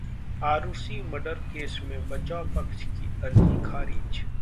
Arushi murder case में बचाव पक्ष की अर्जी खारिज